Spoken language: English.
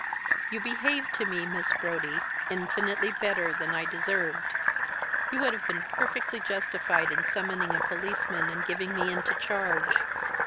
"You behaved to me, Miss Brodie, infinitely better than I deserved. You would have been perfectly justified in summoning a policeman, and giving me into charge.